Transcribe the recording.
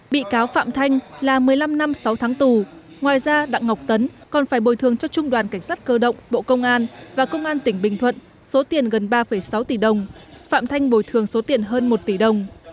bị cáo phạm thanh là một mươi năm năm sáu tháng tù ngoài ra đặng ngọc tấn còn phải bồi thường cho trung đoàn cảnh sát cơ động bộ công an và công an tỉnh bình thuận số tiền gần ba sáu tỷ đồng phạm thanh bồi thường số tiền hơn một tỷ đồng